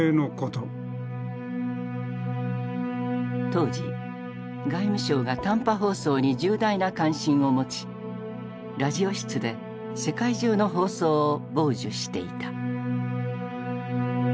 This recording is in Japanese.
当時外務省が短波放送に重大な関心を持ちラジオ室で世界中の放送を傍受していた。